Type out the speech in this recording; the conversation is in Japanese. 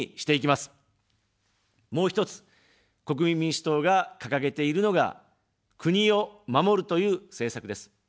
もう１つ、国民民主党が掲げているのが、国を守るという政策です。